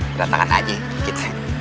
beratakan aja dikit